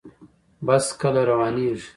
بس کله روانیږي؟